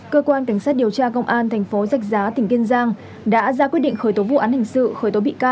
cơ quan cảnh sát điều tra công an tp giách giá tỉnh kiên giang đã ra quyết định khởi tố vụ án hình sự khởi tố bị can